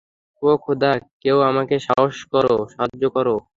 ওহ, খোদা, কেউ আমাকে সাহায্য করো!